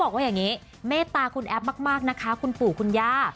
ขอบคุณแอปมากนะคะคุณปู่คุณย่า